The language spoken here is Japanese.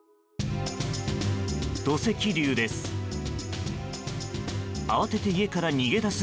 土石流です。